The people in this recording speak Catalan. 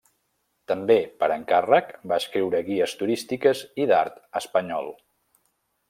També, per encàrrec, va escriure guies turístiques i d'art espanyol.